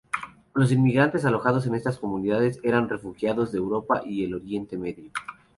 Los inmigrantes alojados en estas comunidades eran refugiados de Europa y el Oriente Medio.